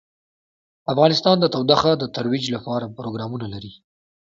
افغانستان د تودوخه د ترویج لپاره پروګرامونه لري.